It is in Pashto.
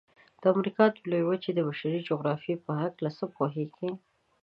د امریکا د لویې وچې د بشري جغرافیې په هلکه څه پوهیږئ؟